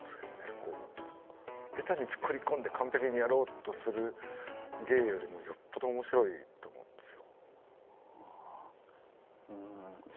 下手に作り込んで完璧にやろうとする芸よりもよっぽど面白いと思うんですよ。